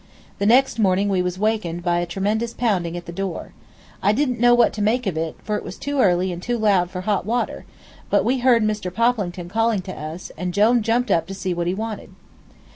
The next morning we was wakened by a tremendous pounding at the door. I didn't know what to make of it, for it was too early and too loud for hot water, but we heard Mr. Poplington calling to us, and Jone jumped up to see what he wanted.